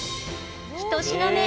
１品目